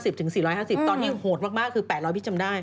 ๓๕๐๔๕๐บาทตอนนี้โหดมากคือ๘๐๐บาทพี่จำได้